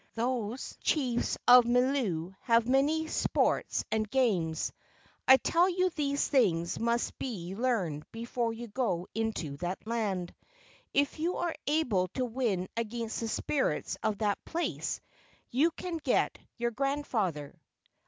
Those chiefs of Milu have many sports and games. I tell you these things must be learned before you go into that land. If you are able to win against the spirits of that place you can get your grandfather."